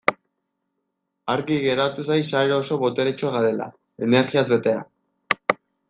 Argi geratu zait sare oso boteretsua garela, energiaz betea.